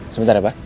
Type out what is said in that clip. sebentar ya pak